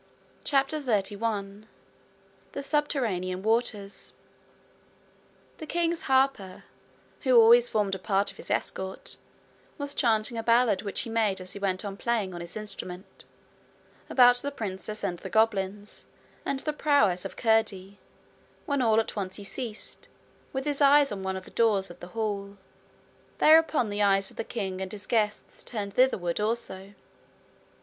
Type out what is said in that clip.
CHAPTER 31 The Subterranean Waters The king's harper, who always formed a part of his escort, was chanting a ballad which he made as he went on playing on his instrument about the princess and the goblins, and the prowess of Curdie, when all at once he ceased, with his eyes on one of the doors of the hall. Thereupon the eyes of the king and his guests turned thitherward also.